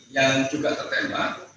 yang juga tertembak